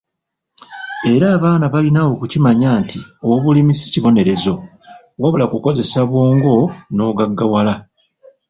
Era abaana balina okukimanya nti obulimi si kibonerezo, wabula kukozesa bwongo n'ogaggawala.